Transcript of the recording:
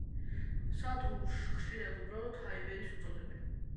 სადგურს ხშირად უბრალოდ ჰაიბერის უწოდებენ.